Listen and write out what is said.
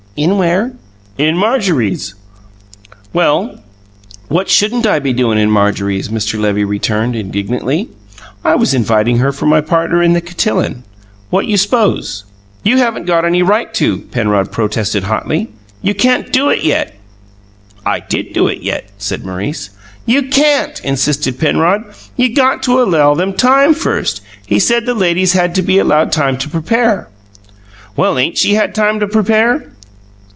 "In where?" "In Marjorie's." "Well, what shouldn't I be doin' in Marjorie's?" Mr. Levy returned indignantly. "I was inviting her for my partner in the cotillon what you s'pose?" "You haven't got any right to!" Penrod protested hotly. "You can't do it yet." "I did do it yet!" said Maurice. "You can't!" insisted Penrod. "You got to allow them time first. He said the ladies had to be allowed time to prepare." "Well, ain't she had time to prepare?"